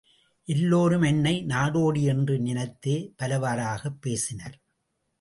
எல்லோரும் என்னை நாடோடி என்று நினைத்தே பலவாறாகப் பேசினர்.